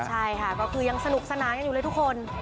ใช่ค่ะก็คือยังสนุกสนานกันอยู่เลยทุกคน